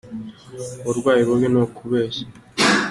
Uburwayi bubi nukubeshya.